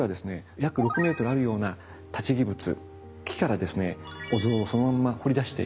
約６メートルあるような立木仏木からですねお像をそのまんま彫り出しているんです。